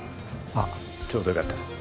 あっちょうどよかった。